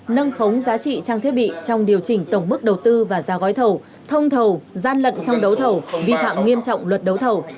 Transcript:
nâng khống giá trị trang thiết bị trong điều chỉnh tổng mức đầu tư và giá gói thầu thông thầu gian lận trong đấu thầu vi phạm nghiêm trọng luật đấu thầu